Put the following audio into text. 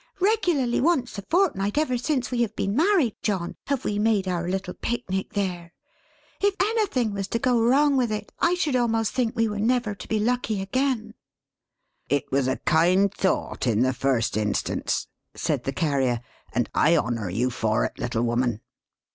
Regularly once a fortnight ever since we have been married, John, have we made our little Pic Nic there. If anything was to go wrong with it, I should almost think we were never to be lucky again." "It was a kind thought in the first instance," said the Carrier; "and I honour you for it, little woman."